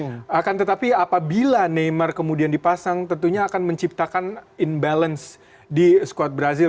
dan tetapi apabila neymar kemudian dipasang tentunya akan menciptakan imbalance di squad brazil